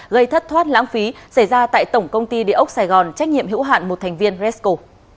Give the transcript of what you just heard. gây thất thoát lãng phí xảy ra tại tổng công ty địa ốc sài gòn trách nhiệm hữu hạn một thành viên resco